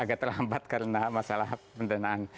agak terlambat karena masalah pendanaan